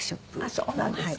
あっそうなんですか。